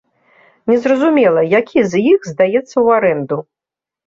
Незразумела, які з іх здаецца ў арэнду.